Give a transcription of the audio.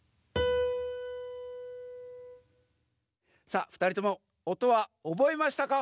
さあふたりともおとはおぼえましたか？